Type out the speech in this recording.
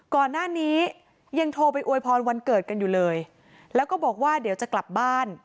ก่อนหน้านี้ยังโทรไปอวยพรวันเกิดกันอยู่เลยแล้วก็บอกว่าเดี๋ยวจะกลับบ้าน